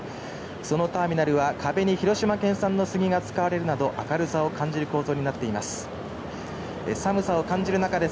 そのターミナルは壁に広島県産の杉が使われるなど、明るさを感じる構造になっております。